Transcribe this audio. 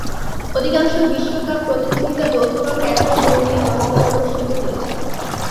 অধিকাংশ বিশ্বকাপ প্রতিযোগিতা যৌথভাবে একই ভৌগোলিক অঞ্চলে অনুষ্ঠিত হয়েছে।